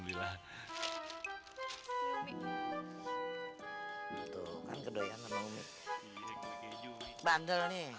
keduanya mau nih bandel nih